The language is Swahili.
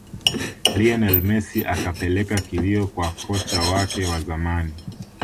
lionel messi akapeleka kilio kwa kocha wake wa zamani